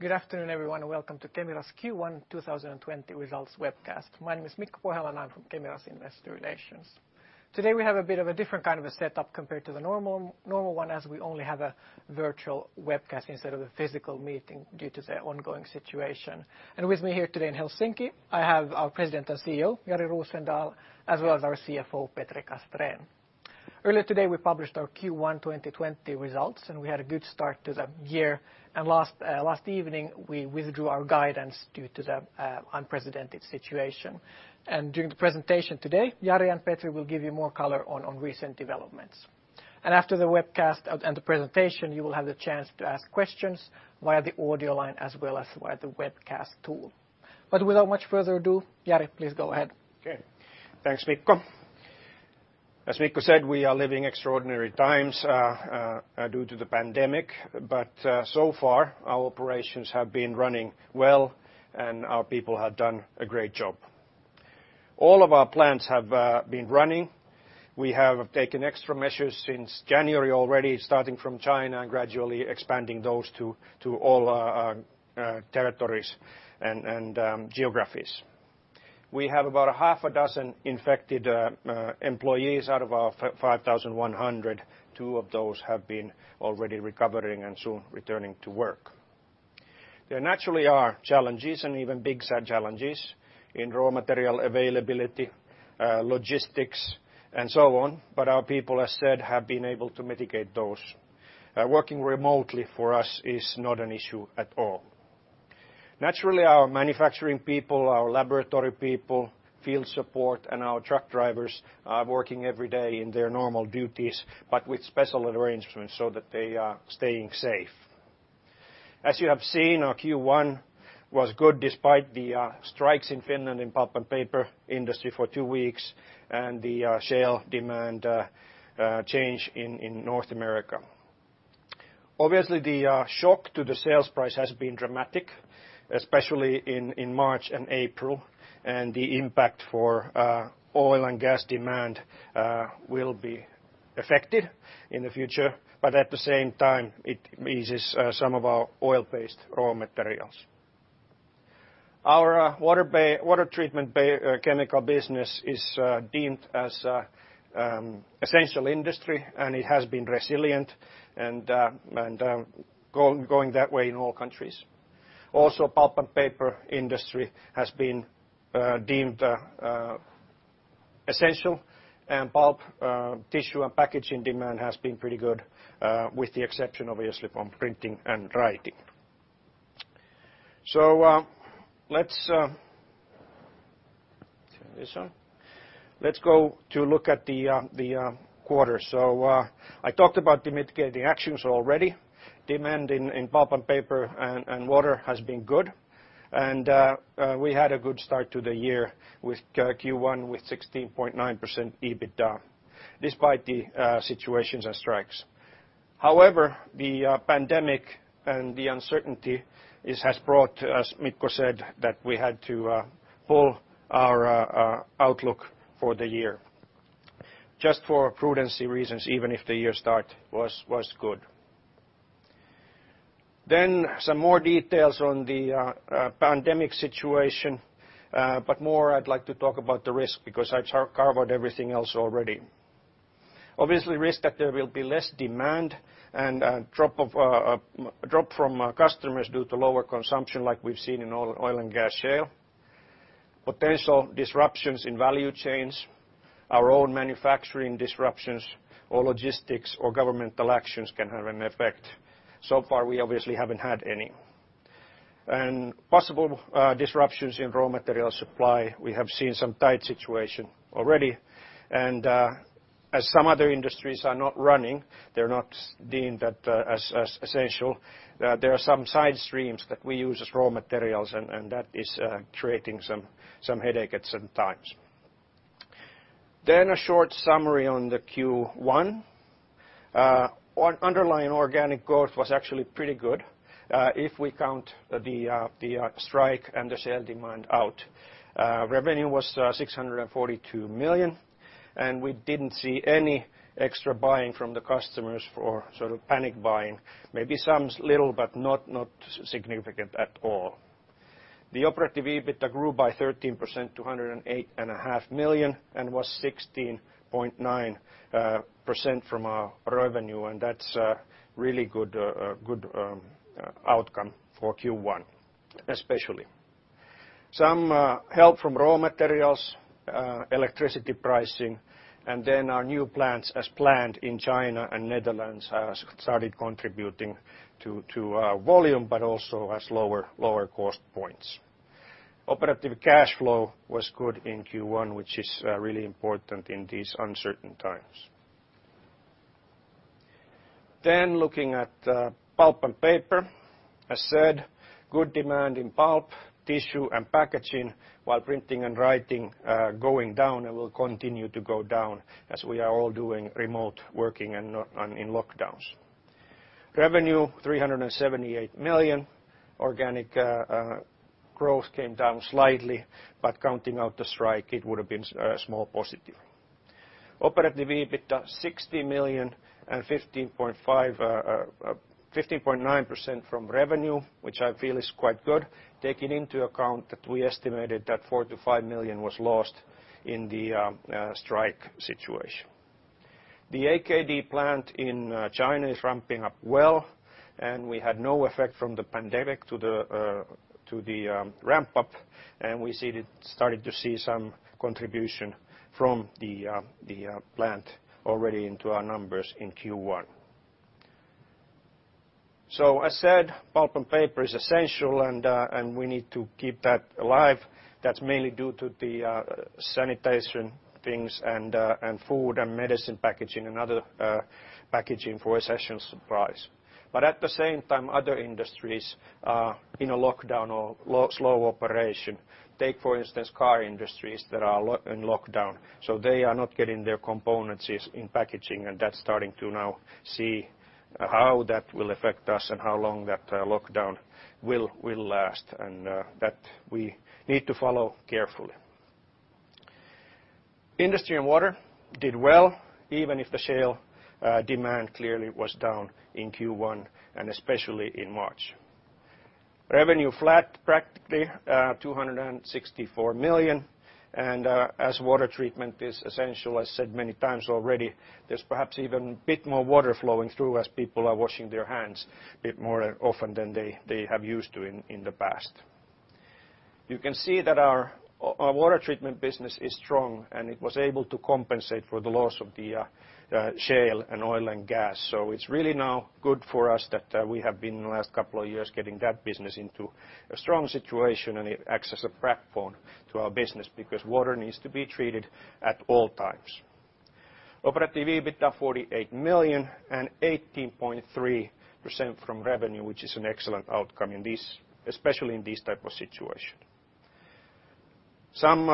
Good afternoon, everyone, welcome to Kemira's Q1 2020 results webcast. My name is Mikko Pohjala, and I'm from Kemira's investor relations. Today we have a bit of a different kind of a setup compared to the normal one, as we only have a virtual webcast instead of a physical meeting due to the ongoing situation. With me here today in Helsinki, I have our President and CEO, Jari Rosendal, as well as our CFO, Petri Castrén. Earlier today, we published our Q1 2020 results, and we had a good start to the year. Last evening, we withdrew our guidance due to the unprecedented situation. During the presentation today, Jari and Petri will give you more color on recent developments. After the webcast and the presentation, you will have the chance to ask questions via the audio line as well as via the webcast tool. Without much further ado, Jari, please go ahead. Okay. Thanks, Mikko. As Mikko said, we are living extraordinary times due to the pandemic. So far, our operations have been running well, and our people have done a great job. All of our plants have been running. We have taken extra measures since January already, starting from China and gradually expanding those to all territories and geographies. We have about a half a dozen infected employees out of our 5,100. Two of those have been already recovering and soon returning to work. There naturally are challenges and even big challenges in raw material availability, logistics, and so on. Our people, as said, have been able to mitigate those. Working remotely for us is not an issue at all. Naturally, our manufacturing people, our laboratory people, field support, and our truck drivers are working every day in their normal duties, but with special arrangements so that they are staying safe. As you have seen, our Q1 was good despite the strikes in Finland in pulp and paper industry for two weeks and the shale demand change in North America. Obviously, the shock to the sales price has been dramatic, especially in March and April. The impact for oil and gas demand will be affected in the future. At the same time, it eases some of our oil-based raw materials. Our water treatment chemical business is deemed as essential industry, and it has been resilient and going that way in all countries. Pulp and paper industry has been deemed essential, and pulp tissue and packaging demand has been pretty good with the exception, obviously, from printing and writing. Let's turn this on. Let's go to look at the quarter. I talked about the mitigating actions already. Demand in pulp and paper and water has been good. We had a good start to the year with Q1 with 16.9% EBITDA, despite the situations and strikes. The pandemic and the uncertainty it has brought to us, Mikko said that we had to pull our outlook for the year just for prudency reasons, even if the year start was good. Some more details on the pandemic situation, more I'd like to talk about the risk because I've covered everything else already. Obviously, risk that there will be less demand and a drop from customers due to lower consumption like we've seen in oil and gas shale. Potential disruptions in value chains, our own manufacturing disruptions or logistics or governmental actions can have an effect. So far, we obviously haven't had any. Possible disruptions in raw material supply. We have seen some tight situation already. As some other industries are not running, they're not deemed as essential. There are some side streams that we use as raw materials, and that is creating some headache at some times. A short summary on the Q1. Underlying organic growth was actually pretty good, if we count the strike and the shale demand out. Revenue was 642 million, and we didn't see any extra buying from the customers for sort of panic buying. Maybe some little, but not significant at all. The Operative EBITDA grew by 13%, 208.5 million, and was 16.9% from our revenue, and that's a really good outcome for Q1, especially. Some help from raw materials, electricity pricing, our new plants as planned in China and Netherlands have started contributing to our volume, but also as lower cost points. Operative cash flow was good in Q1, which is really important in these uncertain times. Looking at pulp and paper. As said, good demand in pulp, tissue, and packaging while printing and writing going down and will continue to go down as we are all doing remote working and in lockdowns. Revenue 378 million. Organic growth came down slightly, counting out the strike it would have been small positive. Operative EBITDA EUR 60 million and 15.9% from revenue, which I feel is quite good, taking into account that we estimated that 4 million-5 million was lost in the strike situation. The AKD plant in China is ramping up well, and we had no effect from the pandemic to the ramp-up, and we started to see some contribution from the plant already into our numbers in Q1. As said, pulp and paper is essential and we need to keep that alive. That's mainly due to the sanitation things and food and medicine packaging and other packaging for essential supplies. At the same time, other industries are in a lockdown or slow operation. Take, for instance, car industries that are in lockdown. They are not getting their components in packaging and that's starting to now see how that will affect us and how long that lockdown will last and that we need to follow carefully. Industry and water did well even if the shale demand clearly was down in Q1 and especially in March. Revenue flat practically 264 million and as water treatment is essential, as said many times already, there's perhaps even a bit more water flowing through as people are washing their hands a bit more often than they have used to in the past. You can see that our water treatment business is strong and it was able to compensate for the loss of the shale and oil and gas. It's really now good for us that we have been the last couple of years getting that business into a strong situation and it acts as a backbone to our business because water needs to be treated at all times. Operative EBITDA 48 million and 18.3% from revenue, which is an excellent outcome, especially in this type of situation. Some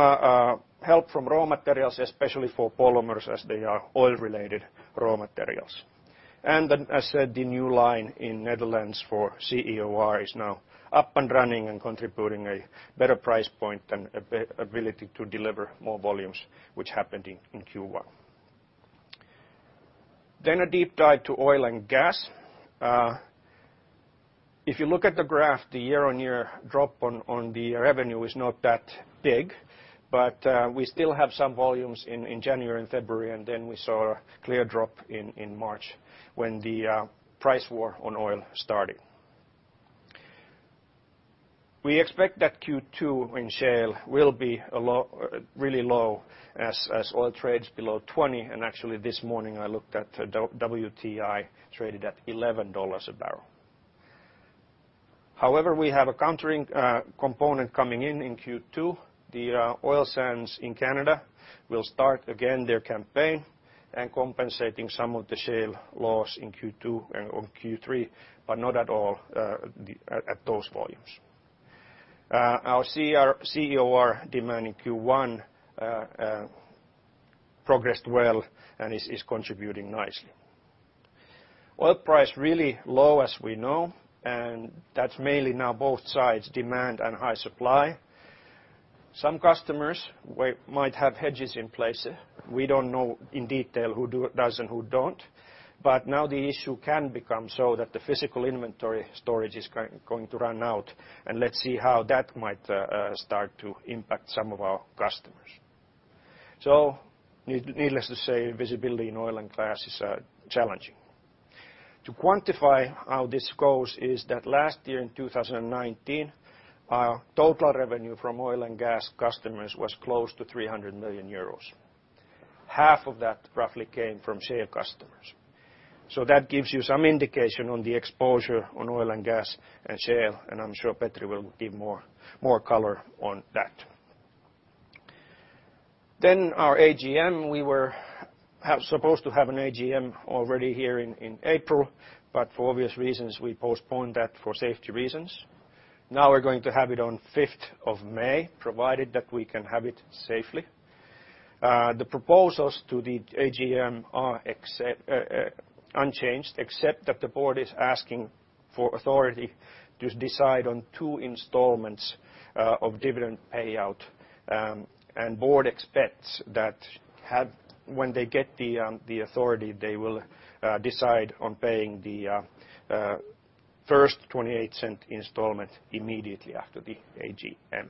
help from raw materials, especially for polymers, as they are oil-related raw materials. As said, the new line in Netherlands for CEOR is now up and running and contributing a better price point and ability to deliver more volumes, which happened in Q1. A deep dive to oil and gas. If you look at the graph, the year-on-year drop on the revenue is not that big, but we still have some volumes in January and February, and then we saw a clear drop in March when the price war on oil started. We expect that Q2 in shale will be really low as oil trades below 20, and actually this morning I looked at WTI traded at $11 a barrel. However, we have a countering component coming in in Q2. The oil sands in Canada will start again their campaign and compensating some of the shale loss in Q2 and Q3, but not at all at those volumes. Our CEOR demand in Q1 progressed well and is contributing nicely. Oil price really low as we know, and that's mainly now both sides demand and high supply. Some customers might have hedges in place. We dont know in detail, who does and who don't. Now the issue can become so that the physical inventory storage is going to run out, and let's see how that might start to impact some of our customers. Needless to say, visibility in oil and gas is challenging. To quantify how this goes is that last year in 2019, our total revenue from oil and gas customers was close to 300 million euros. Half of that roughly came from shale customers. That gives you some indication on the exposure on oil and gas and shale, and I'm sure Petri will give more color on that. Our AGM, we were supposed to have an AGM already here in April, but for obvious reasons, we postponed that for safety reasons. Now we're going to have it on 5th of May, provided that we can have it safely. The proposals to the AGM are unchanged except that the Board is asking for authority to decide on two installments of dividend payout. Board expects that when they get the authority, they will decide on paying the first 0.28 installment immediately after the AGM.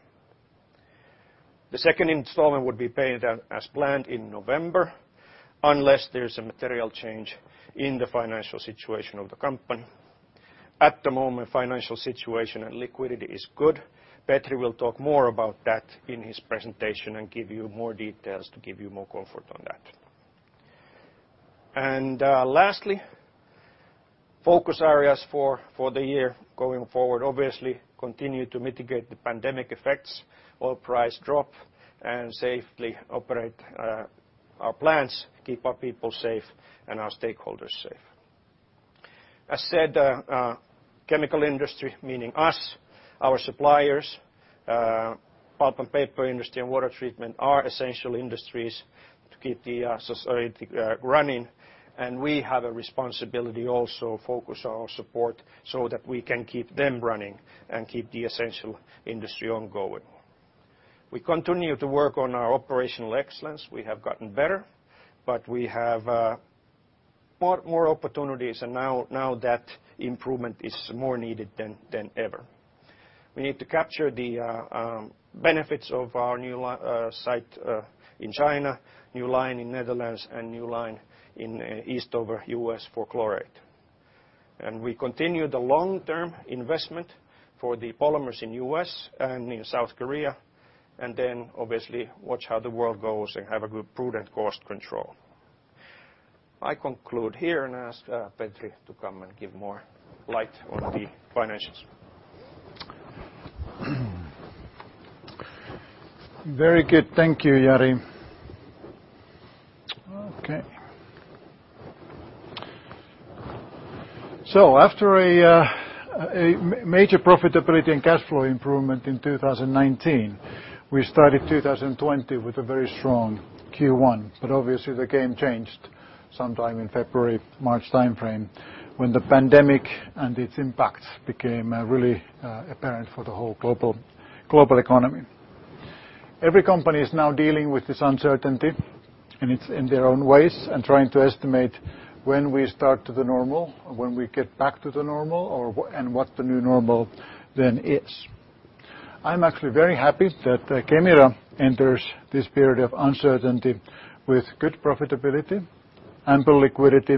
The second installment would be paid as planned in November, unless there's a material change in the financial situation of the company. At the moment, financial situation and liquidity is good. Petri will talk more about that in his presentation and give you more details to give you more comfort on that. Lastly, focus areas for the year going forward, obviously continue to mitigate the pandemic effects, oil price drop, and safely operate our plants, keep our people safe and our stakeholders safe. As said, chemical industry, meaning us, our suppliers, pulp and paper industry and water treatment are essential industries to keep the society running, and we have a responsibility also focus our support so that we can keep them running and keep the essential industry ongoing. We continue to work on our operational excellence. We have gotten better, but we have more opportunities and now that improvement is more needed than ever. We need to capture the benefits of our new site in China, new line in Netherlands, and new line in Eastover, U.S. for chlorate. We continue the long-term investment for the polymers in U.S. and in South Korea, and then obviously watch how the world goes and have a good prudent cost control. I conclude here and ask Petri to come and give more light on the financials. Very good. Thank you, Jari. After a major profitability and cash flow improvement in 2019, we started 2020 with a very strong Q1, obviously the game changed sometime in February, March timeframe when the pandemic and its impact became really apparent for the whole global economy. Every company is now dealing with this uncertainty in their own ways and trying to estimate when we start to the normal or when we get back to the normal and what the new normal then is. I'm actually very happy that Kemira enters this period of uncertainty with good profitability, ample liquidity,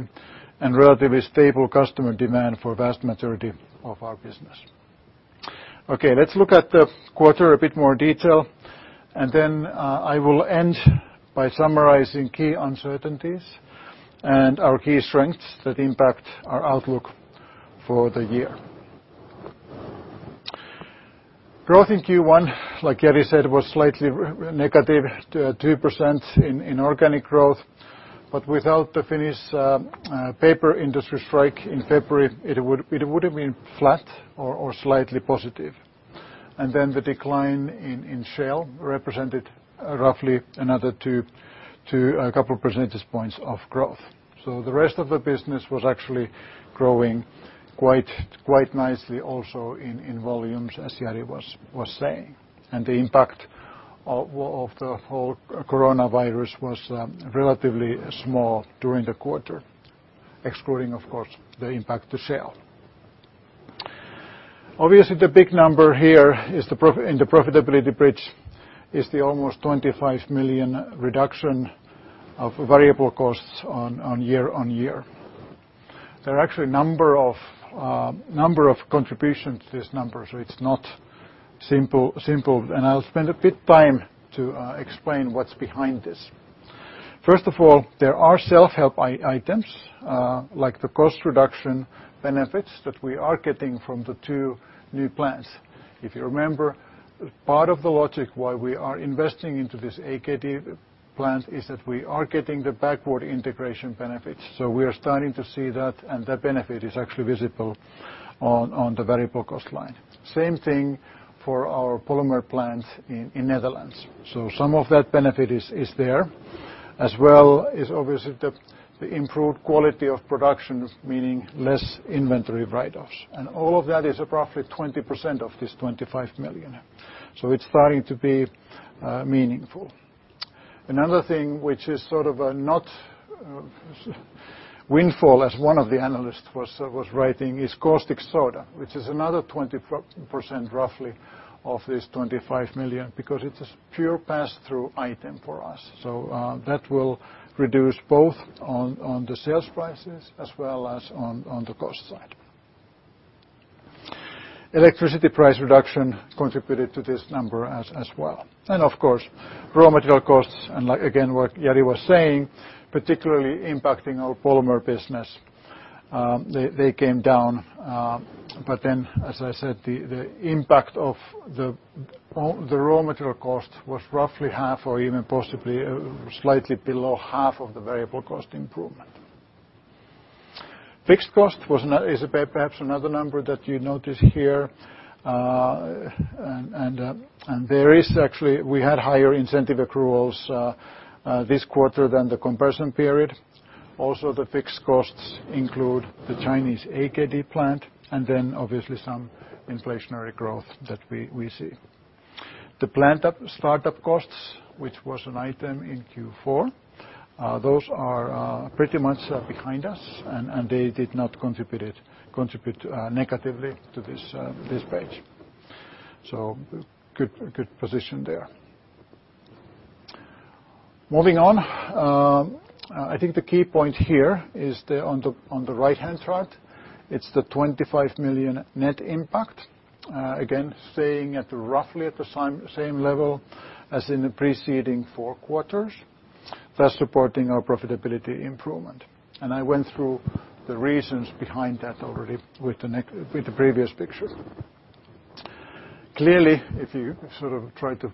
and relatively stable customer demand for vast majority of our business. Let's look at the quarter a bit more detail, I will end by summarizing key uncertainties and our key strengths that impact our outlook for the year. Growth in Q1, like Jari said, was slightly negative, 2% in organic growth, but without the Finnish paper industry strike in February, it would have been flat or slightly positive. The decline in shale represented roughly another two, a couple percentage points of growth. The rest of the business was actually growing quite nicely also in volumes as Jari was saying. The impact of the whole coronavirus was relatively small during the quarter, excluding, of course, the impact to shale. Obviously, the big number here in the profitability bridge is the almost 25 million reduction of variable costs on year-over-year. There are actually a number of contributions to this number, so it's not simple. I'll spend a bit time to explain what's behind this. First of all, there are self-help items, like the cost reduction benefits that we are getting from the two new plants. If you remember, part of the logic why we are investing into this AKD plant is that we are getting the backward integration benefits. We are starting to see that, and that benefit is actually visible on the variable cost line. Same thing for our polymer plant in Netherlands. Some of that benefit is there, as well is obviously the improved quality of production, meaning less inventory write-offs. All of that is roughly 20% of this 25 million. It's starting to be meaningful. Another thing which is sort of a not windfall, as one of the analysts was writing, is caustic soda, which is another 20% roughly of this 25 million because it's a pure pass through item for us. That will reduce both on the sales prices as well as on the cost side. Electricity price reduction contributed to this number as well. Raw material costs and again, what Jari was saying, particularly impacting our polymer business. They came down, as I said, the impact of the raw material cost was roughly half or even possibly slightly below half of the variable cost improvement. Fixed cost is perhaps another number that you notice here. There is actually, we had higher incentive accruals this quarter than the comparison period. The fixed costs include the Chinese AKD plant and obviously some inflationary growth that we see. The plant startup costs, which was an item in Q4, those are pretty much behind us, and they did not contribute negatively to this page. Good position there. Moving on. I think the key point here is on the right-hand side, it's the 25 million net impact. Staying at roughly at the same level as in the preceding four quarters. Thus supporting our profitability improvement. I went through the reasons behind that already with the previous picture. Clearly, if you sort of try to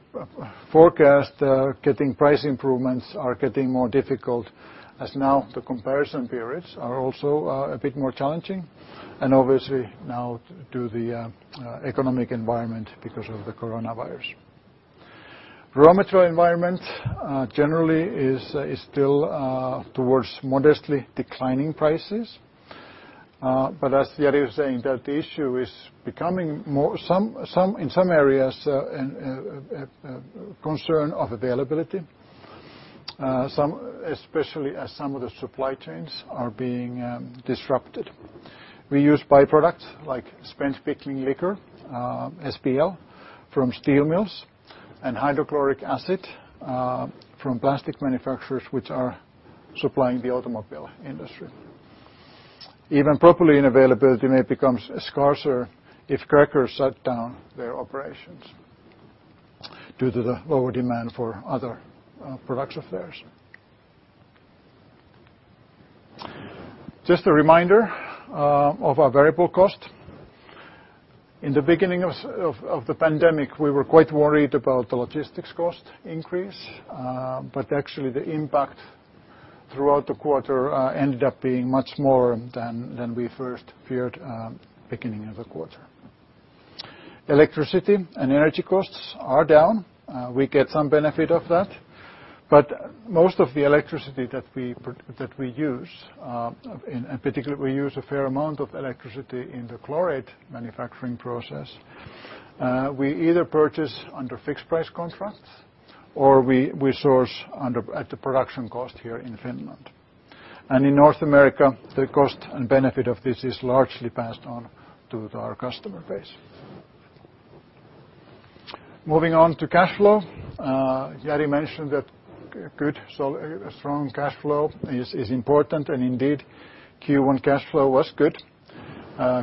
forecast, getting price improvements are getting more difficult as now the comparison periods are also a bit more challenging, and obviously now due the economic environment because of the coronavirus. Raw material environment generally is still towards modestly declining prices. As Jari was saying, that the issue is becoming more, in some areas, concern of availability. Especially as some of the supply chains are being disrupted. We use byproducts like spent pickling liquor, SPL, from steel mills, and hydrochloric acid from plastic manufacturers, which are supplying the automobile industry. Even propylene availability may become scarcer if crackers shut down their operations due to the lower demand for other products of theirs. Just a reminder of our variable cost. Actually the impact throughout the quarter ended up being much more than we first feared beginning of the quarter. Electricity and energy costs are down. We get some benefit of that. Most of the electricity that we use, in particular we use a fair amount of electricity in the chlorate manufacturing process, we either purchase under fixed price contracts or we source at the production cost here in Finland. In North America, the cost and benefit of this is largely passed on to our customer base. Moving on to cash flow. Jari mentioned that good, strong cash flow is important, and indeed, Q1 cash flow was good,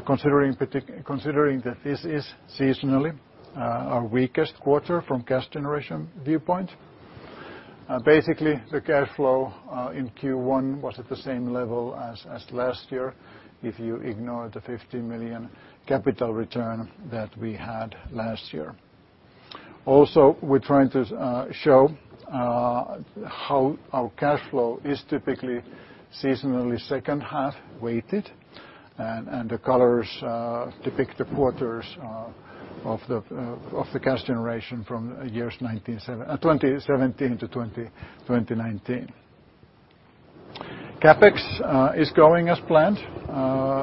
considering that this is seasonally our weakest quarter from cash generation viewpoint. The cash flow in Q1 was at the same level as last year, if you ignore the 50 million capital return that we had last year. Also, we're trying to show how our cash flow is typically seasonally second half weighted, and the colors depict the quarters of the cash generation from years 2017 to 2019. CapEx is going as planned,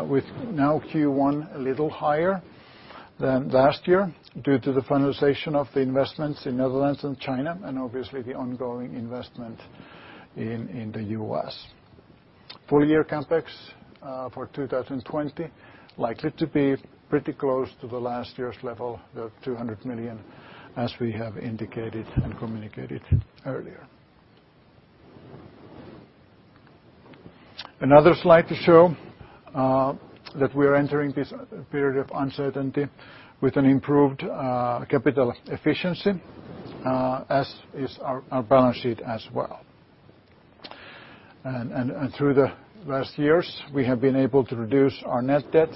with now Q1 a little higher than last year due to the finalization of the investments in Netherlands and China, and obviously the ongoing investment in the US. Full year CapEx for 2020 likely to be pretty close to the last year's level, the 200 million, as we have indicated and communicated earlier. Another slide to show that we are entering this period of uncertainty with an improved capital efficiency, as is our balance sheet as well. Through the last years, we have been able to reduce our net debt,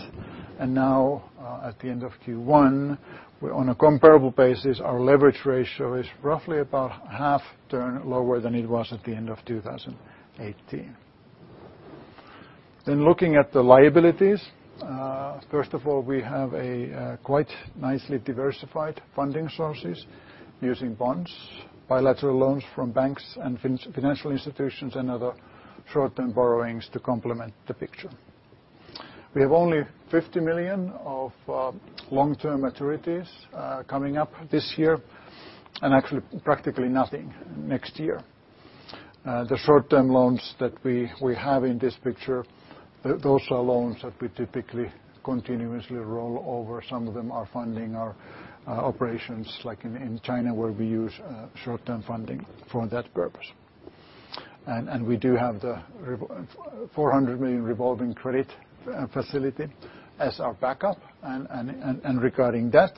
and now, at the end of Q1, on a comparable basis, our leverage ratio is roughly about a half turn lower than it was at the end of 2018. Looking at the liabilities. First of all, we have a quite nicely diversified funding sources using bonds, bilateral loans from banks and financial institutions, and other short-term borrowings to complement the picture. We have only 50 million of long-term maturities coming up this year, and actually practically nothing next year. The short-term loans that we have in this picture, those are loans that we typically continuously roll over. Some of them are funding our operations, like in China, where we use short-term funding for that purpose. We do have the 400 million revolving credit facility as our backup. Regarding that,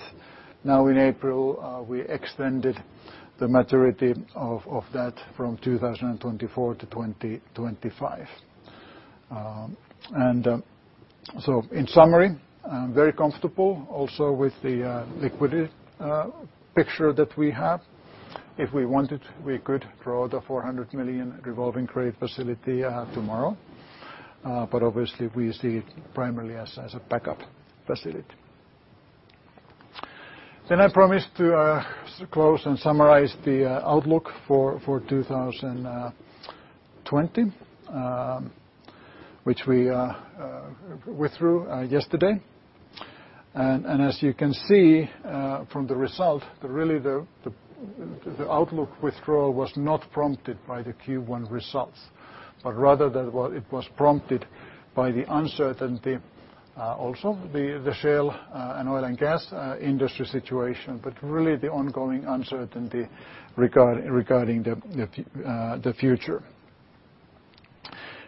now in April, we extended the maturity of that from 2024 to 2025. In summary, I'm very comfortable also with the liquidity picture that we have. If we wanted, we could draw the 400 million revolving credit facility tomorrow. Obviously, we see it primarily as a backup facility. I promised to close and summarize the outlook for 2020 which we withdrew yesterday. As you can see from the result, really the outlook withdrawal was not prompted by the Q1 results, but rather that it was prompted by the uncertainty also the shale and oil and gas industry situation, but really the ongoing uncertainty regarding the future.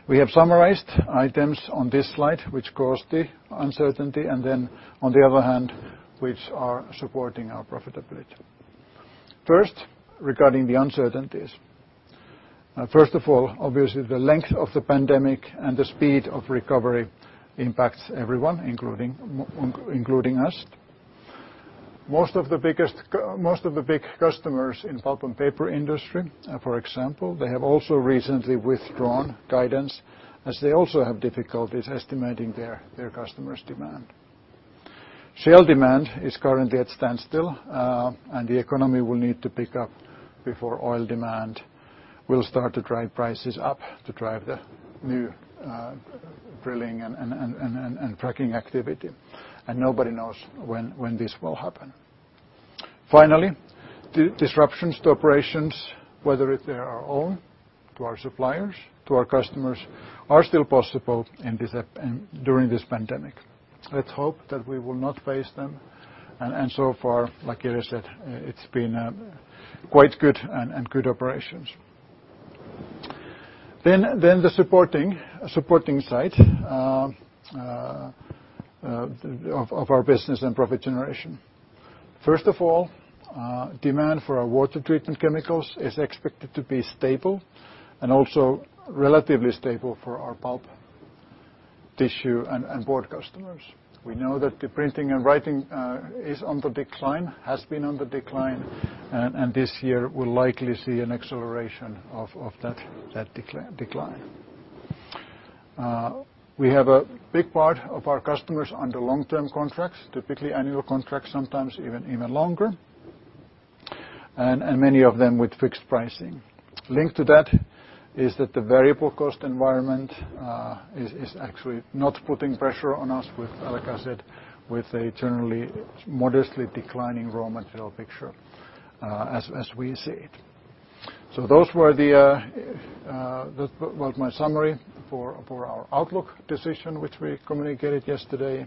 We have summarized items on this slide which caused the uncertainty, and then on the other hand, which are supporting our profitability. First, regarding the uncertainties. First of all, obviously, the length of the pandemic and the speed of recovery impacts everyone, including us. Most of the big customers in pulp and paper industry, for example, they have also recently withdrawn guidance as they also have difficulties estimating their customers' demand. Shale demand is currently at standstill, and the economy will need to pick up before oil demand will start to drive prices up to drive the new drilling and fracking activity. Nobody knows when this will happen. Finally, disruptions to operations, whether if they are our own, to our suppliers, to our customers, are still possible during this pandemic. Let's hope that we will not face them. So far, like Jari said, it's been quite good and good operations. The supporting side of our business and profit generation. First of all, demand for our water treatment chemicals is expected to be stable and also relatively stable for our pulp, tissue, and board customers. We know that the printing and writing is on the decline, has been on the decline. This year we'll likely see an acceleration of that decline. We have a big part of our customers under long-term contracts, typically annual contracts, sometimes even longer. Many of them with fixed pricing. Linked to that is that the variable cost environment is actually not putting pressure on us with, like I said, with a generally modestly declining raw material picture as we see it. Those were my summary for our outlook decision, which we communicated yesterday.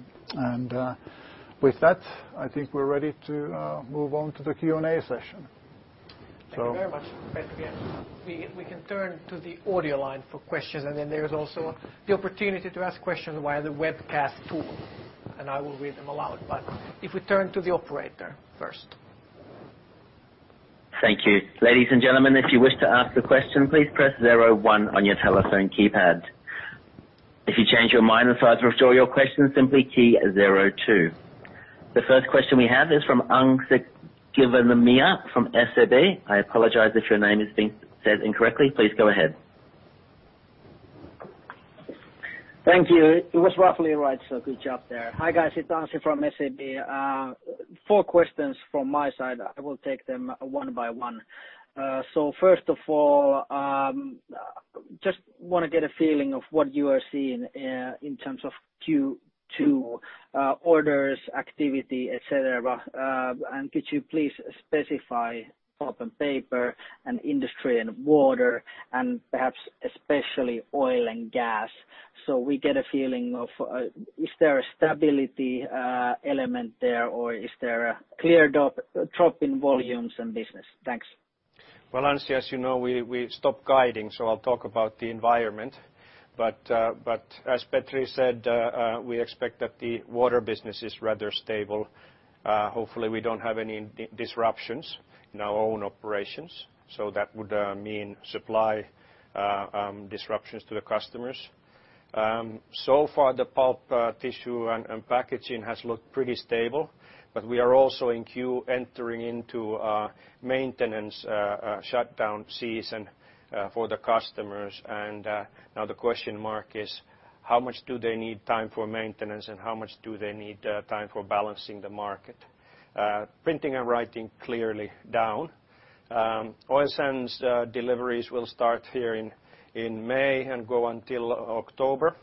With that, I think we're ready to move on to the Q&A session. Thank you very much, Petri. We can turn to the audio line for questions, and then there is also the opportunity to ask questions via the webcast tool, and I will read them aloud. If we turn to the operator first. Thank you. Ladies and gentlemen, if you wish to ask a question, please press zero one on your telephone keypad. If you change your mind and decide to withdraw your question, simply key zero two. The first question we have is from Anssi Kiviniemi from SEB. I apologize if your name is being said incorrectly. Please go ahead. Thank you. It was roughly right, so good job there. Hi, guys. It's Anssi from SEB. Four questions from my side. I will take them one by one. First of all, just want to get a feeling of what you are seeing in terms of Q2 orders, activity, et cetera. Could you please specify pulp and paper and industry and water and perhaps especially oil and gas so we get a feeling of is there a stability element there, or is there a clear drop in volumes and business? Thanks. Anssi, as you know, we stopped guiding, I'll talk about the environment. As Petri said, we expect that the water business is rather stable. Hopefully, we don't have any disruptions in our own operations, that would mean supply disruptions to the customers. Far the pulp tissue and packaging has looked pretty stable, we are also in Q entering into a maintenance shutdown season for the customers. Now the question mark is how much do they need time for maintenance, and how much do they need time for balancing the market? Printing and writing clearly down. Oil sands deliveries will start here in May and go until October,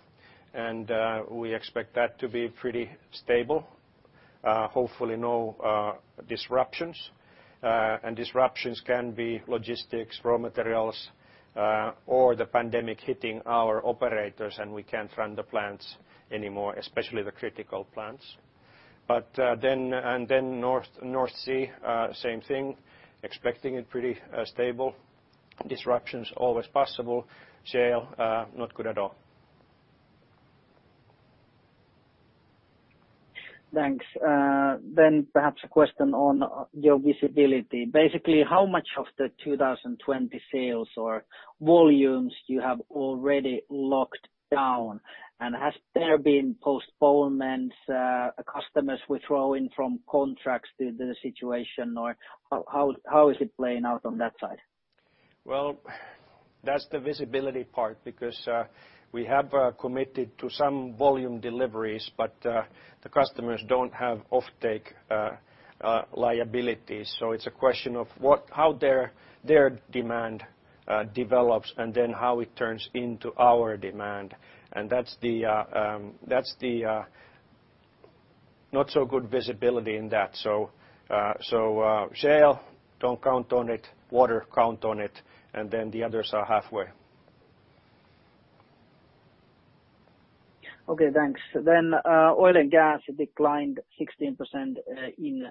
we expect that to be pretty stable. Hopefully no disruptions. Disruptions can be logistics, raw materials, or the pandemic hitting our operators and we can't run the plants anymore, especially the critical plants. North Sea, same thing, expecting it pretty stable. Disruptions always possible. Shale, not good at all. Thanks. Perhaps a question on your visibility. Basically, how much of the 2020 sales or volumes do you have already locked down? Has there been postponements, customers withdrawing from contracts due to the situation, or how is it playing out on that side? Well, that's the visibility part because we have committed to some volume deliveries, but the customers don't have offtake liabilities. It's a question of how their demand develops and then how it turns into our demand. That's the not so good visibility in that. Shale, don't count on it. Water, count on it. Then the others are halfway. Okay, thanks. Oil and gas declined 16% in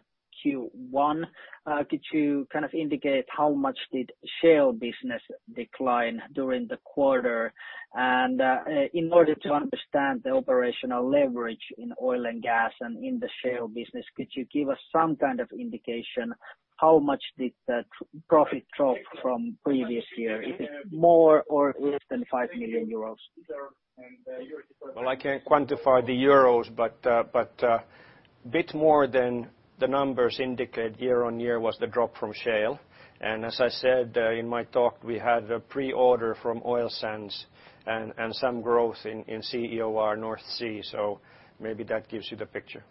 Q1. Could you kind of indicate how much did shale business decline during the quarter? In order to understand the operational leverage in oil and gas and in the shale business, could you give us some kind of indication how much did that profit drop from previous year? Is it more or less than 5 million euros? Well, I can't quantify the euros, but bit more than the numbers indicate year-over-year was the drop from shale. As I said in my talk, we had a pre-order from oil sands and some growth in CEOR North Sea, so maybe that gives you the picture.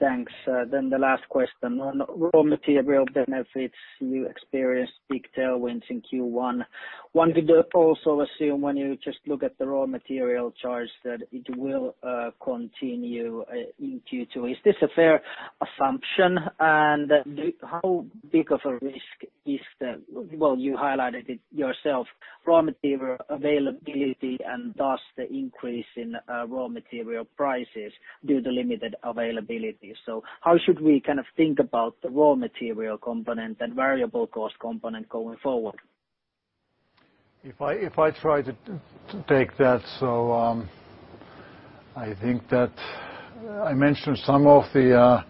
Thanks. The last question on raw material benefits you experienced big tailwinds in Q1. One could also assume when you just look at the raw material charts, that it will continue into Q2. Is this a fair assumption? How big of a risk is the, well, you highlighted it yourself, raw material availability and thus the increase in raw material prices due to limited availability. How should we think about the raw material component and variable cost component going forward? If I try to take that. I think that I mentioned some of the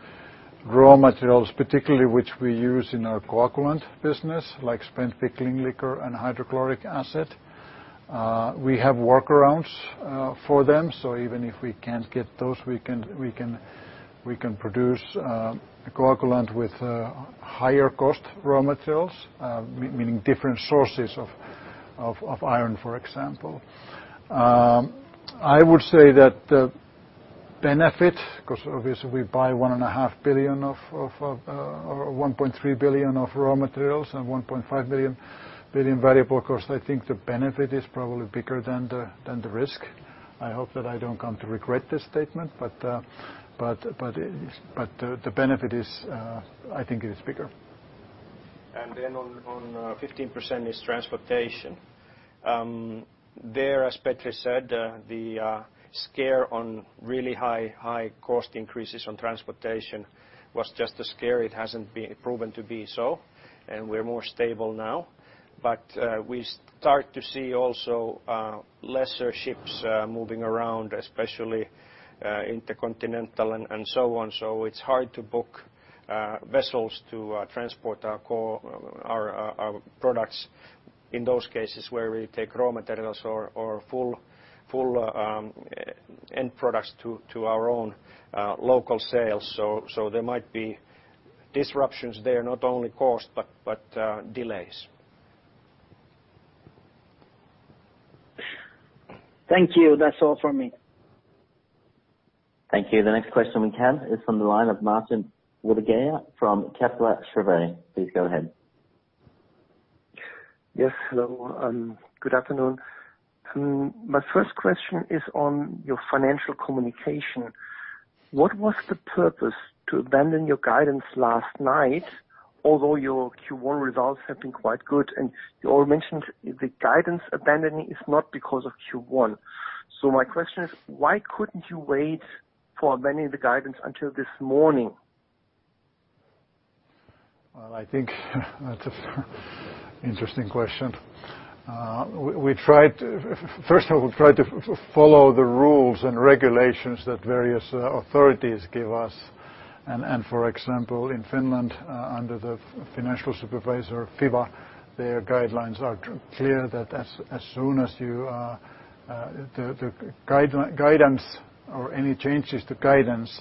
raw materials, particularly which we use in our coagulant business, like spent pickling liquor and hydrochloric acid. We have workarounds for them, so even if we can't get those, we can produce a coagulant with higher cost raw materials, meaning different sources of iron, for example. I would say that the benefit, because obviously we buy 1.3 billion of raw materials and 1.5 billion variable cost, I think the benefit is probably bigger than the risk. I hope that I don't come to regret this statement. The benefit is, I think it is bigger. On 15% is transportation. There, as Petri said, the scare on really high cost increases on transportation was just a scare. It hasn't been proven to be so, we're more stable now. We start to see also lesser ships moving around, especially intercontinental and so on. It's hard to book vessels to transport our products in those cases where we take raw materials or full end products to our own local sales. There might be disruptions there, not only cost, but delays. Thank you. That's all from me. Thank you. The next question we have is from the line of Martin Roediger from Kepler Cheuvreux. Please go ahead. Yes. Hello, good afternoon. My first question is on your financial communication. What was the purpose to abandon your guidance last night, although your Q1 results have been quite good? You all mentioned the guidance abandoning is not because of Q1. My question is, why couldn't you wait for abandoning the guidance until this morning? Well, I think that's an interesting question. First of all, we try to follow the rules and regulations that various authorities give us. For example, in Finland under the financial supervisor, FIVA, their guidelines are clear that the guidance or any changes to guidance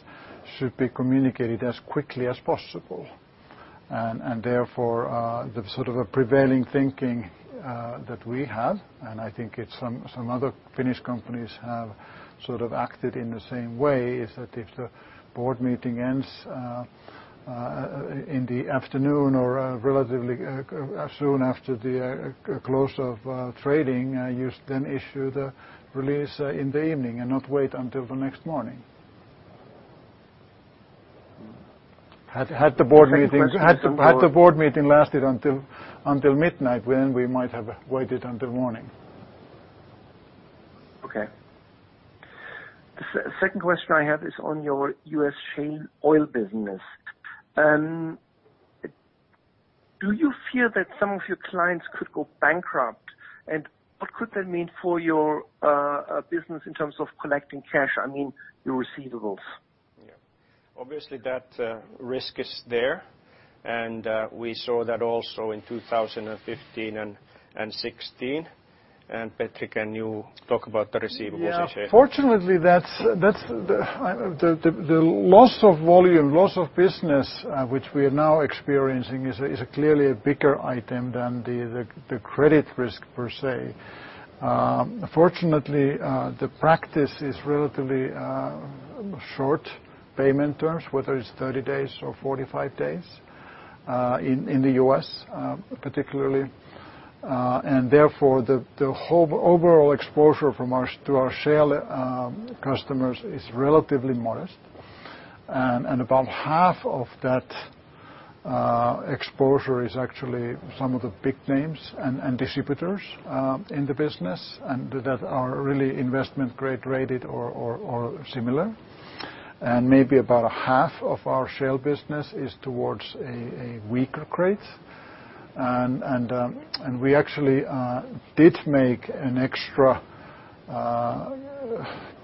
should be communicated as quickly as possible. Therefore, the prevailing thinking that we have, and I think some other Finnish companies have acted in the same way, is that if the board meeting ends in the afternoon or relatively soon after the close of trading, you then issue the release in the evening and not wait until the next morning. Second question. Had the board meeting lasted until midnight, then we might have waited until morning. Okay. The second question I have is on your U.S. shale oil business. Do you fear that some of your clients could go bankrupt? What could that mean for your business in terms of collecting cash, I mean, your receivables? Yeah. Obviously that risk is there. We saw that also in 2015 and 2016. Petri, can you talk about the receivables issue? Yeah. Fortunately, the loss of volume, loss of business which we are now experiencing is clearly a bigger item than the credit risk per se. Fortunately, the practice is relatively short payment terms, whether it's 30 days or 45 days, in the U.S. particularly. Therefore, the whole overall exposure to our shale customers is relatively modest. About half of that exposure is actually some of the big names and distributors in the business, and that are really investment grade rated or similar. Maybe about a half of our shale business is towards a weaker grade. We actually did make an extra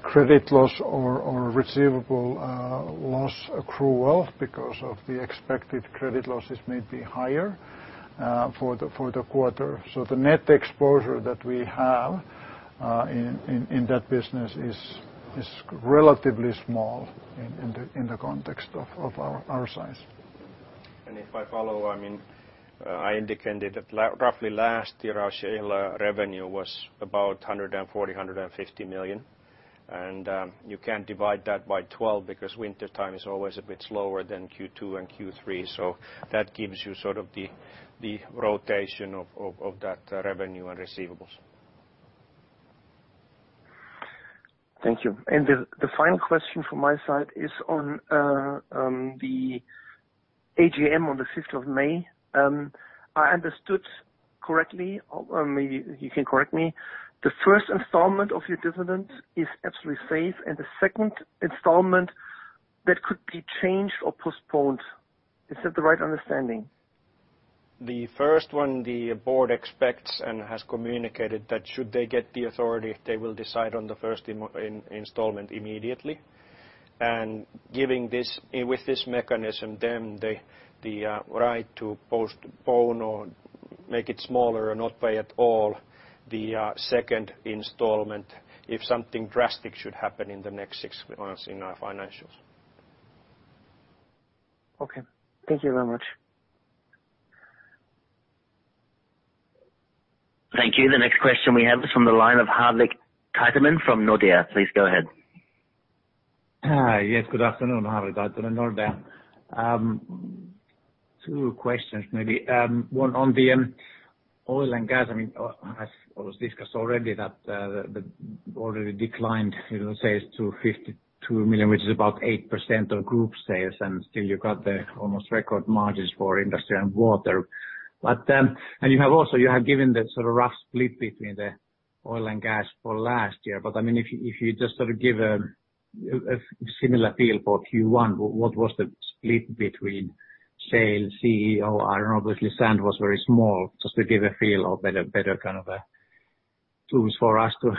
credit loss or receivable loss accrual because of the expected credit losses may be higher for the quarter. The net exposure that we have in that business is relatively small in the context of our size. If I follow, I indicated that roughly last year our sale revenue was about 140 million-150 million. You can't divide that by 12 because wintertime is always a bit slower than Q2 and Q3. That gives you sort of the rotation of that revenue and receivables. Thank you. The final question from my side is on the AGM on the 5th of May. I understood correctly, or maybe you can correct me, the first installment of your dividend is absolutely safe, and the second installment that could be changed or postponed. Is that the right understanding? The first one the board expects and has communicated that should they get the authority, they will decide on the first installment immediately. With this mechanism, the right to postpone or make it smaller or not pay at all the second installment if something drastic should happen in the next six months in our financials. Okay. Thank you very much. Thank you. The next question we have is from the line of Harri Taittonen from Nordea. Please go ahead. Hi. Yes, good afternoon. Harri Taittonen, Nordea. Two questions maybe. One on the oil and gas. It was discussed already that the order declined sales to 52 million, which is about 8% of group sales, and still you got the almost record margins for industry and water. And you have also given the sort of rough split between the oil and gas for last year. If you just sort of give a similar feel for Q1, what was the split between shale CEOR? I don't know, obviously sand was very small. Just to give a feel or better kind of tools for us to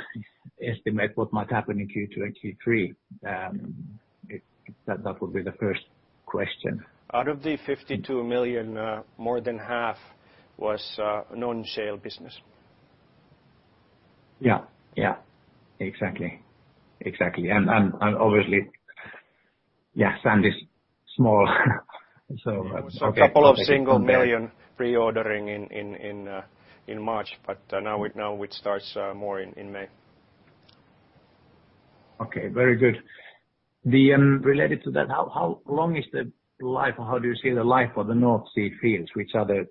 estimate what might happen in Q2 and Q3. That would be the first question. Out of the 52 million, more than half was non-shale business. Yeah. Exactly. obviously, yeah, sand is small. Couple of single million reordering in March, but now it starts more in May. Okay, very good. Related to that, how long is the life or how do you see the life of the North Sea fields, which are the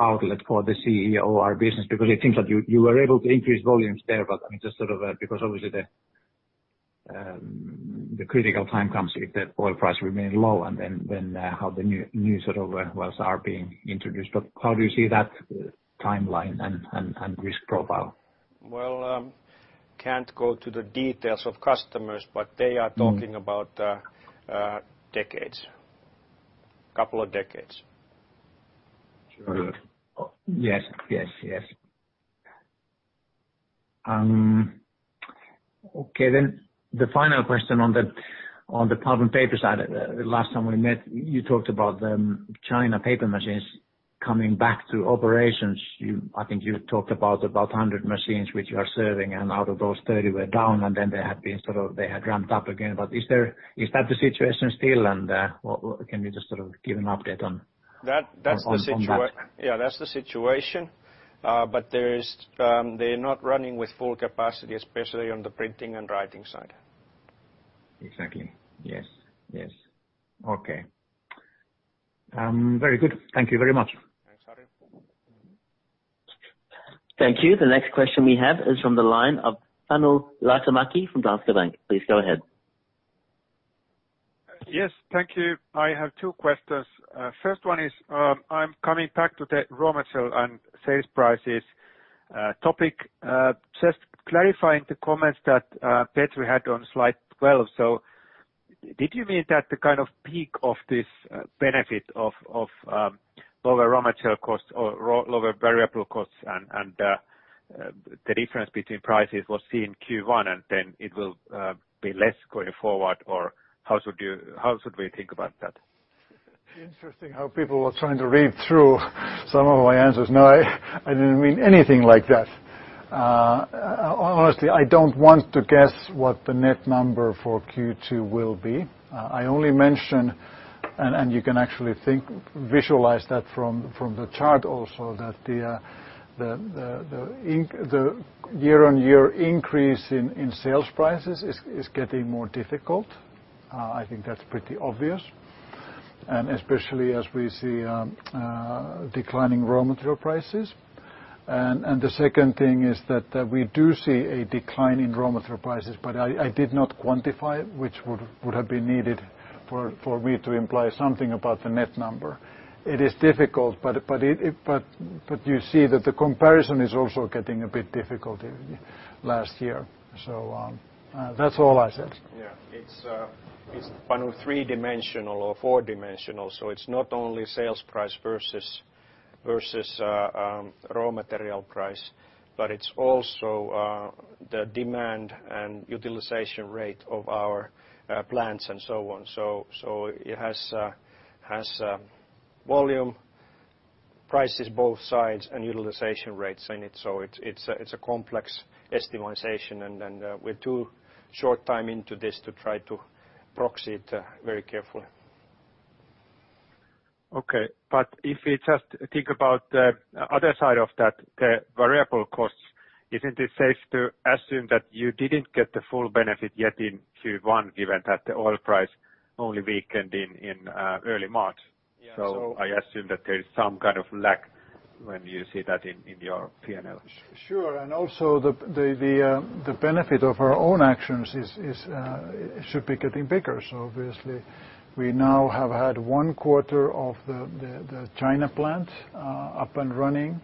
outlet for the CEOR business? It seems that you were able to increase volumes there. Just sort of because obviously the critical time comes if the oil price remain low then how the new sort of wells are being introduced. How do you see that timeline and risk profile? Well, can't go to the details of customers, but they are talking about decades. Couple of decades. Sure. Yes. Okay, the final question on the pulp and paper side. Last time we met you talked about the China paper machines coming back to operations. I think you talked about 100 machines which you are serving and out of those 30 were down, and then they had ramped up again. Is that the situation still and can you just sort of give an update on that? Yeah, that's the situation but they're not running with full capacity, especially on the printing and writing side. Exactly. Yes. Okay. Very good. Thank you very much. Thanks, Harri. Thank you. The next question we have is from the line of Panu Laitinmäki from Danske Bank. Please go ahead. Yes. Thank you. I have two questions. First one is I am coming back to the raw material and sales prices topic. Just clarifying the comments that Petri had on slide 12. Did you mean that the kind of peak of this benefit of lower raw material costs or lower variable costs and the difference between prices was seen in Q1 and then it will be less going forward or how should we think about that? Interesting how people are trying to read through some of my answers. No, I didn't mean anything like that. Honestly, I don't want to guess what the net number for Q2 will be. I only mention, and you can actually visualize that from the chart also, that the year-on-year increase in sales prices is getting more difficult. I think that's pretty obvious. Especially as we see declining raw material prices. The second thing is that we do see a decline in raw material prices, but I did not quantify which would have been needed for me to imply something about the net number. It is difficult but you see that the comparison is also getting a bit difficult last year. That's all I said. Yeah. It's kind of three-dimensional or four-dimensional. It's not only sales price versus raw material price, but it's also the demand and utilization rate of our plants and so on. It has volume. Prices both sides and utilization rates in it. It's a complex estimation and then we're too short time into this to try to proxy it very carefully. Okay. If we just think about the other side of that, the variable costs, isn't it safe to assume that you didn't get the full benefit yet in Q1 given that the oil price only weakened in early March? Yeah. I assume that there is some kind of lack when you see that in your P&L. Sure. Also the benefit of our own actions should be getting bigger. Obviously we now have had one quarter of the China plant up and running.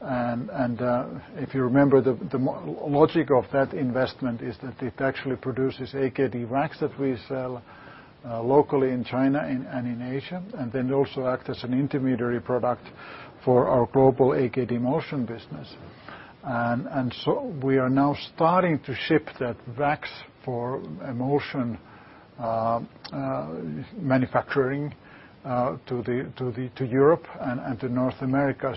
If you remember, the logic of that investment is that it actually produces AKD wax that we sell locally in China and in Asia, also act as an intermediary product for our global AKD emulsion business. We are now starting to ship that wax for emulsion manufacturing to Europe and to North America.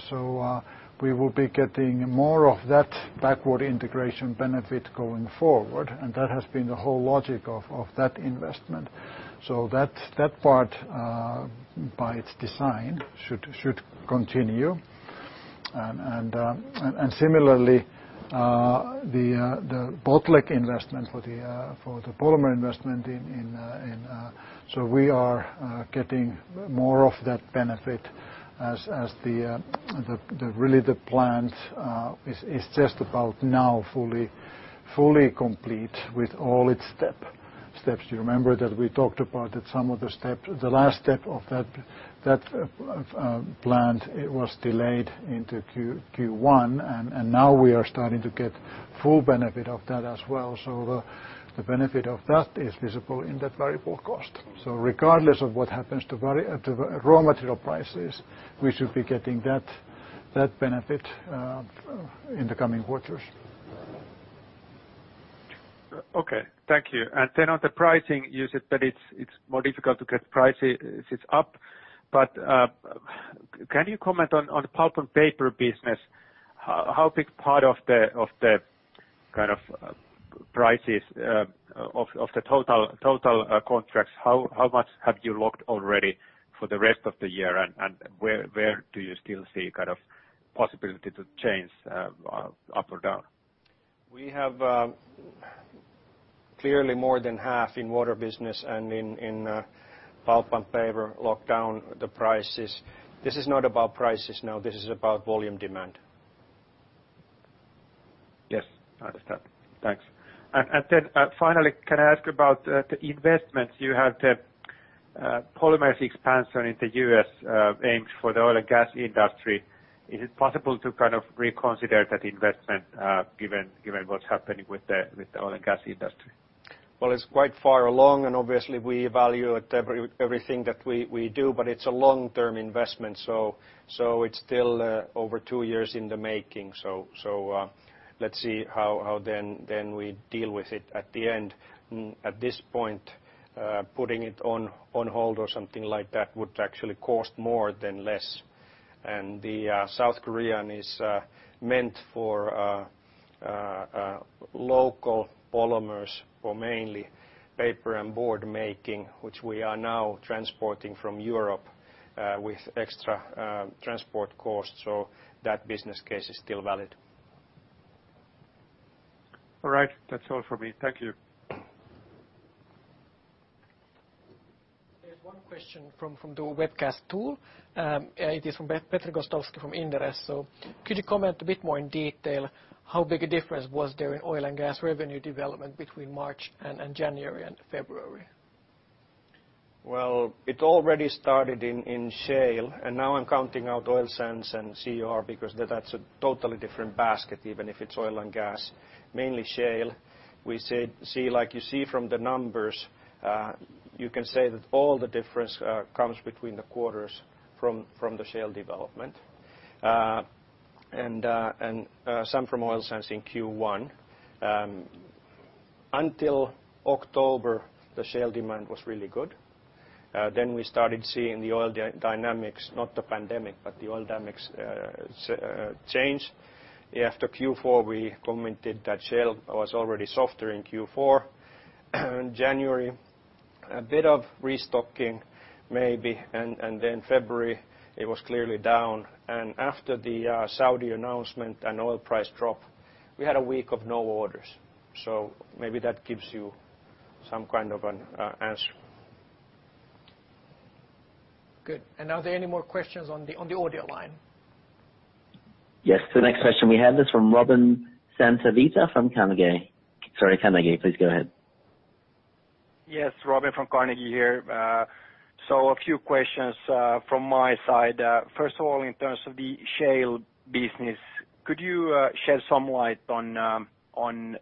We will be getting more of that backward integration benefit going forward. That has been the whole logic of that investment. That part, by its design, should continue. Similarly, the Botlek investment for the polymer investment we are getting more of that benefit as really the plant is just about now fully complete with all its steps. You remember that we talked about that some of the steps, the last step of that plant was delayed into Q1 and now we are starting to get full benefit of that as well. The benefit of that is visible in that variable cost. Regardless of what happens to raw material prices, we should be getting that benefit in the coming quarters. Okay. Thank you. Then on the pricing, you said that it's more difficult to get prices up. Can you comment on the pulp and paper business, how big part of the kind of prices of the total contracts, how much have you locked already for the rest of the year? Where do you still see possibility to change up or down? We have clearly more than half in water business and in pulp and paper locked down the prices. This is not about prices now, this is about volume demand. Yes. Understood. Thanks. Finally, can I ask about the investments you have the polymers expansion in the U.S. aimed for the oil and gas industry. Is it possible to kind of reconsider that investment given what's happening with the oil and gas industry? Well, it's quite far along and obviously we evaluate everything that we do, but it's a long-term investment, so it's still over two years in the making. Let's see how then we deal with it at the end. At this point, putting it on hold or something like that would actually cost more than less. The South Korean is meant for local polymers for mainly paper and board making, which we are now transporting from Europe with extra transport costs. So that business case is still valid. All right. That's all for me. Thank you. There's one question from the webcast tool. It is from Petri Gostowski from Inderes. Could you comment a bit more in detail how big a difference was there in oil and gas revenue development between March and January and February? It already started in shale, and now I'm counting out oil sands and CEOR because that's a totally different basket even if it's oil and gas, mainly shale. Like you see from the numbers, you can say that all the difference comes between the quarters from the shale development. Some from oil sands in Q1. Until October, the shale demand was really good. We started seeing the oil dynamics, not the pandemic, but the oil dynamics change. After Q4, we commented that shale was already softer in Q4. In January, a bit of restocking maybe, and then February it was clearly down. After the Saudi announcement and oil price drop, we had a week of no orders. Maybe that gives you some kind of an answer. Good. Are there any more questions on the audio line? Yes. The next question we have is from Robin Santavirta from Carnegie. Sorry, Carnegie, please go ahead. Yes, Robin from Carnegie here. A few questions from my side. First of all, in terms of the shale business, could you shed some light on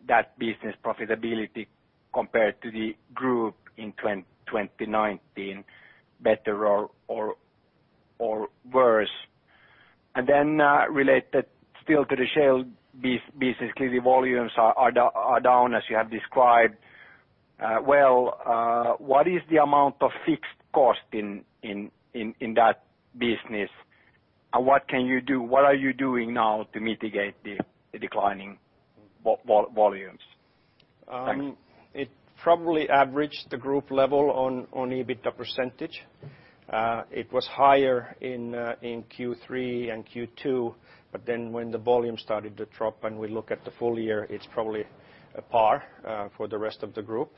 that business profitability compared to the group in 2019, better or worse? Related still to the shale business, clearly volumes are down as you have described. Well, what is the amount of fixed cost in that business, and what are you doing now to mitigate the declining volumes? Thanks. It probably averaged the group level on EBITDA percentage. It was higher in Q3 and Q2, when the volume started to drop and we look at the full year, it's probably par for the rest of the group.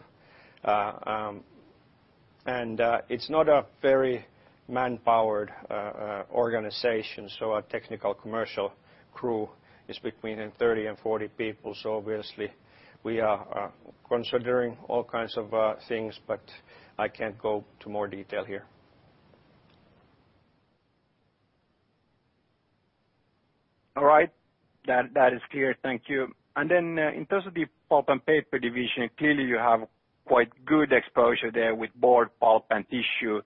It's not a very manpowered organization, our technical commercial crew is between 30 and 40 people. Obviously we are considering all kinds of things, I can't go to more detail here. All right. That is clear. Thank you. In terms of the pulp and paper division, clearly you have quite good exposure there with board pulp and tissue.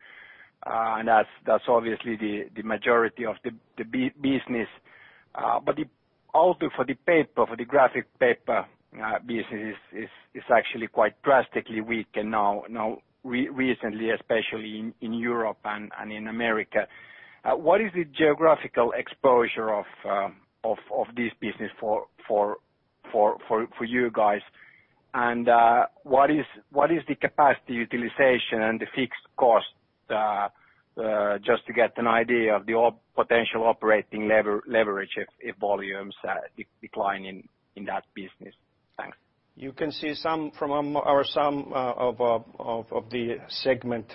That's obviously the majority of the business. Also for the graphic paper business is actually quite drastically weak now recently especially in Europe and in America. What is the geographical exposure of this business for you guys and what is the capacity utilization and the fixed cost, just to get an idea of the potential operating leverage if volumes decline in that business? Thanks. You can see a sum of the segment,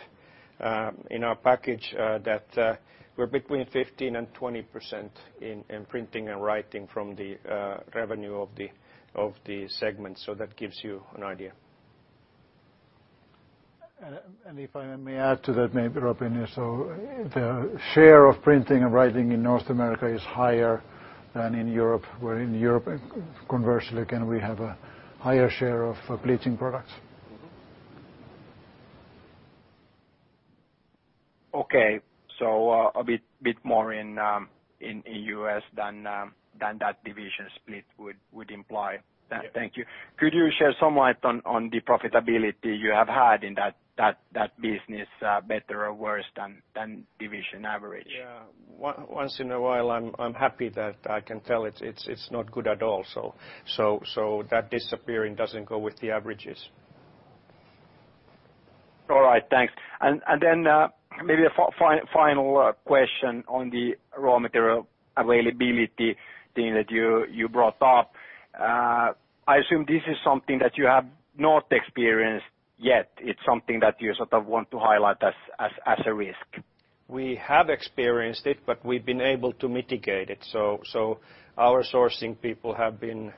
in our package, that we're between 15%-20% in printing and writing from the revenue of the segment. That gives you an idea. If I may add to that, maybe, Robin, yeah, so the share of printing and writing in North America is higher than in Europe, where in Europe, conversely, again, we have a higher share of bleaching products. Okay, a bit more in U.S. than that division split would imply. Yeah. Thank you. Could you share some light on the profitability you have had in that business, better or worse than division average? Yeah. Once in a while, I'm happy that I can tell it's not good at all. That disappearing doesn't go with the averages. All right. Thanks. Then maybe a final question on the raw material availability thing that you brought up. I assume this is something that you have not experienced yet. It's something that you sort of want to highlight as a risk. We have experienced it, but we've been able to mitigate it. Our sourcing people have been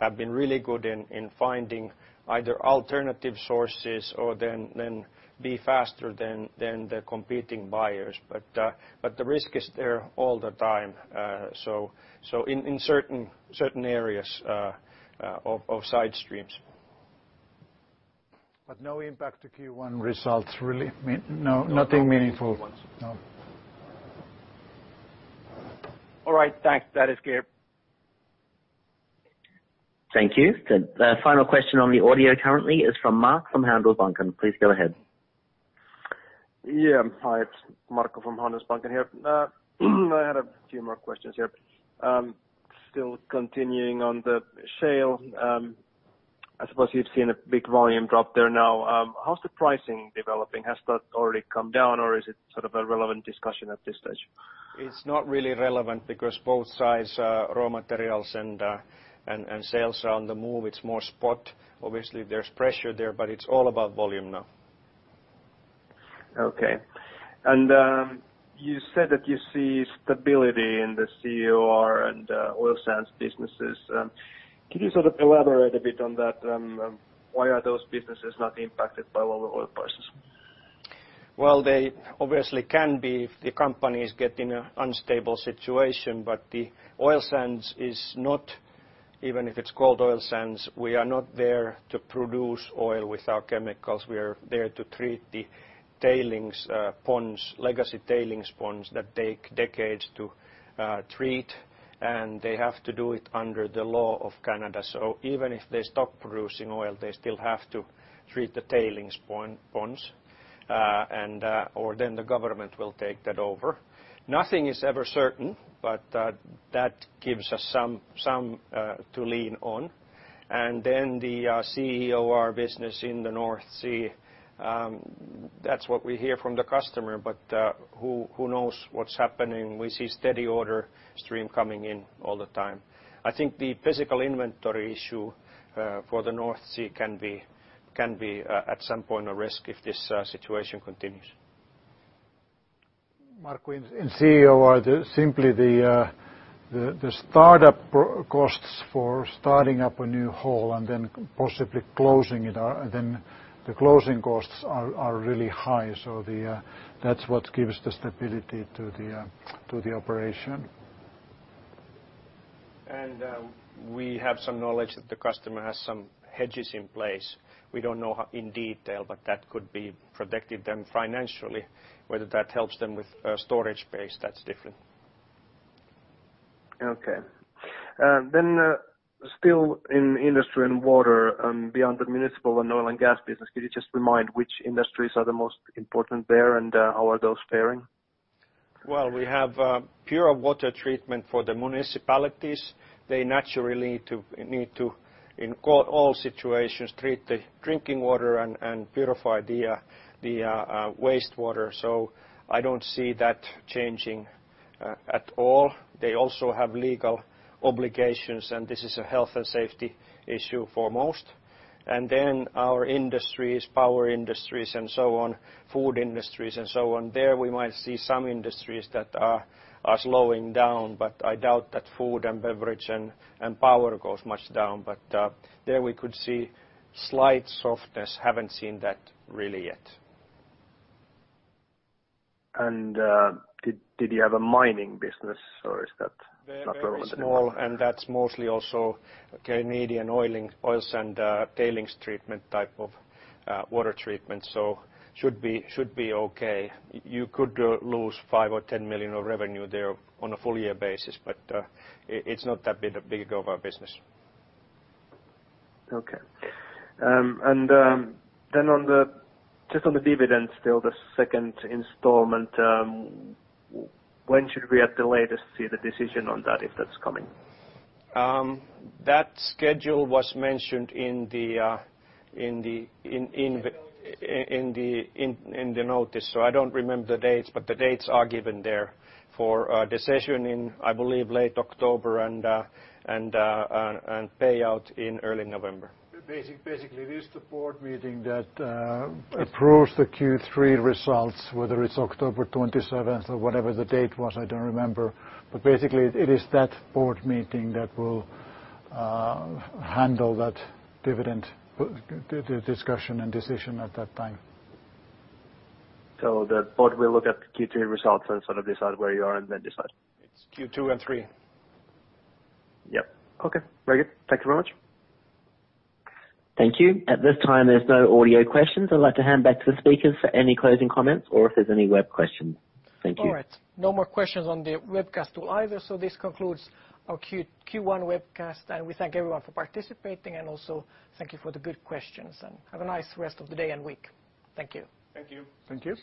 really good in finding either alternative sources or then be faster than the competing buyers. The risk is there all the time in certain areas of side streams. No impact to Q1 results, really. No, nothing meaningful. No. All right. Thanks. That is clear. Thank you. The final question on the audio currently is from Marco from Handelsbanken. Please go ahead. Hi, it's Marco from Handelsbanken here. I had a few more questions here. Still continuing on the shale. I suppose you've seen a big volume drop there now. How's the pricing developing? Has that already come down or is it sort of a relevant discussion at this stage? It's not really relevant because both sides, raw materials and sales are on the move. It's more spot. Obviously, there's pressure there, but it's all about volume now. Okay. You said that you see stability in the CEOR and oil sands businesses. Can you sort of elaborate a bit on that? Why are those businesses not impacted by lower oil prices? Well, they obviously can be if the company is getting in an unstable situation. The oil sands is not, even if it's called oil sands, we are not there to produce oil with our chemicals. We are there to treat the legacy tailings ponds that take decades to treat, and they have to do it under the law of Canada. Even if they stop producing oil, they still have to treat the tailings ponds or then the government will take that over. Nothing is ever certain, but that gives us some to lean on. The CEOR business in the North Sea, that's what we hear from the customer, but who knows what's happening. We see steady order stream coming in all the time. I think the physical inventory issue for the North Sea can be at some point a risk if this situation continues. Marco, in CEOR, simply the startup costs for starting up a new hole and then possibly closing it are then the closing costs are really high. That's what gives the stability to the operation. We have some knowledge that the customer has some hedges in place. We do not know in detail, but that could be protected then financially. Whether that helps them with storage space, that is different. Okay. Still in industry and water, beyond the municipal and oil and gas business, could you just remind which industries are the most important there and how are those faring? Well, we have pure water treatment for the municipalities. They naturally need to, in all situations, treat the drinking water and purify the wastewater. I don't see that changing at all. They also have legal obligations, and this is a health and safety issue for most. Our industries, power industries and so on, food industries and so on. There we might see some industries that are slowing down, but I doubt that food and beverage and power goes much down. There we could see slight softness. Haven't seen that really yet. Did you have a mining business or is that not relevant anymore? Very small. That's mostly also Canadian oils and tailings treatment type of water treatment. Should be okay. You could lose 5 million or 10 million of revenue there on a full year basis. It's not that big of a business. Okay. Just on the dividends still, the second installment, when should we at the latest see the decision on that, if that's coming? That schedule was mentioned in the notice. I don't remember the dates, but the dates are given there for decision in, I believe, late October and payout in early November. Basically, it is the board meeting that approves the Q3 results, whether it's October 27th or whatever the date was, I don't remember. Basically, it is that board meeting that will handle that dividend discussion and decision at that time. The board will look at Q3 results and sort of decide where you are and then decide. It's Q2 and Q3. Yep. Okay. Very good. Thank you very much. Thank you. At this time, there's no audio questions. I'd like to hand back to the speakers for any closing comments or if there's any web questions. Thank you. All right. No more questions on the webcast tool either. This concludes our Q1 webcast, and we thank everyone for participating and also thank you for the good questions, and have a nice rest of the day and week. Thank you. Thank you. Thank you.